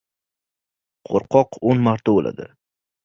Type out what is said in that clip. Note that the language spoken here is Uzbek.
• Qo‘rqoq o‘n marta o‘ladi.